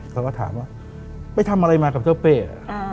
เขาก็ถามว่าไปทำอะไรมากับเจ้าเป้